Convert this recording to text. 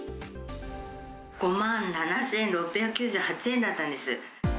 ５万７６９８円だったんです。